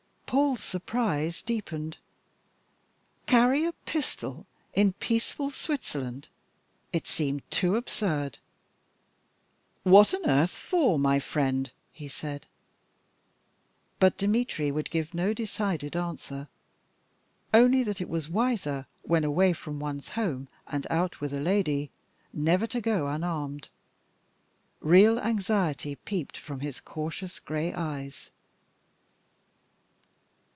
Paul's surprise deepened. Carry a pistol in peaceful Switzerland! It seemed too absurd. "What on earth for, my friend?" he said. But Dmitry would give no decided answer, only that it was wiser, when away from one's home and out with a lady, never to go unarmed. Real anxiety peeped from his cautious grey eyes.